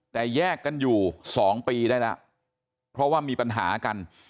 แต่แยกกันอยู่๒ปีได้แล้วเพราะว่ามีปัญหากัน